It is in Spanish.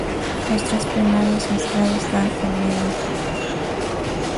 Los tres primarios mezclados dan el negro.